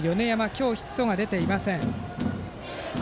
今日ヒットは出ていません。